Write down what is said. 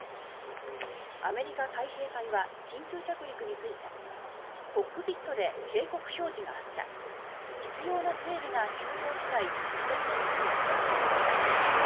アメリカ海兵隊は緊急着陸について「コックピットで警告表示があった必要な整備が終了次第普天間基地に戻る」としています。